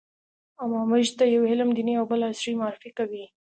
اما موږ ته يو علم دیني او بل عصري معرفي کوي.